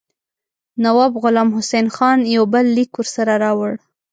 نواب غلام حسین خان یو بل لیک ورسره راوړ.